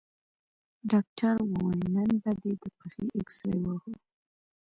ډاکتر وويل نن به دې د پښې اكسرې واخلو.